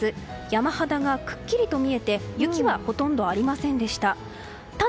山肌がくっきりと見えて雪はほとんどありませんでした。